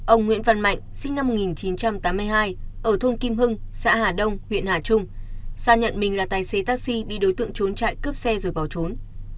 ông nguyễn văn mạnh sinh năm một nghìn chín trăm tám mươi hai ở thôn kim hưng xã hà đông huyện hà trung xa nhận mình là tài xế taxi bị đối tượng trốn chạy cướp xe rồi bỏ trốn